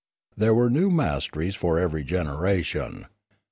There were new masteries for every gen eration.